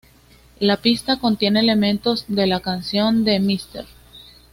La pista contiene elementos de la canción de Mr.